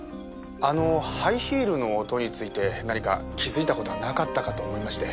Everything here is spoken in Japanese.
あのハイヒールの音について何か気づいた事はなかったかと思いまして。